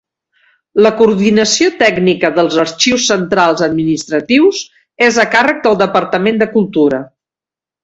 La coordinació tècnica dels Arxius Centrals administratius és a càrrec del Departament de Cultura.